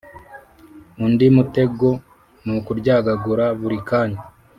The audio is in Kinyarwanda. Undi mutego nukuryagagura burikanya